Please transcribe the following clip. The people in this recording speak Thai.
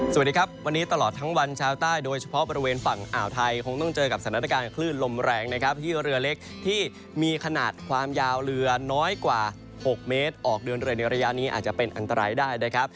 สวัสดีครับวันนี้ตลอดทั้งวันชาวใต้โดยเฉพาะบริเวณฝั่งอ่าวไทยคงต้องเจอกับสถานการณ์คลื่นลมแรงนะครับที่เรือเล็กที่มีขนาดความยาวเรือน้อยกว่า๖เมตรออกเดินเรือในระยะนี้อาจจะเป็นอันตรายได้นะครับ